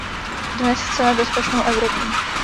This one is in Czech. Dnes chceme bezpečnou Evropu.